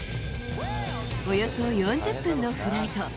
およそ４０分のフライト。